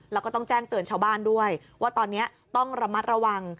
แล้วก็ต้องแจ้งเตือนชาวบ้านด้วยว่าตอนนี้ต้องระมัดระวัง